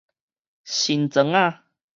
新庄仔